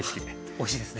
おいしいですね。